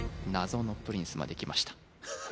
「謎のプリンス」まできました